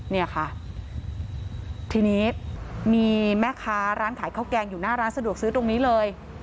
เนี่ยค่ะทีนี้มีแม่ค้าร้านขายข้าวแกงอยู่หน้าร้านสะดวกซื้อตรงนี้เลย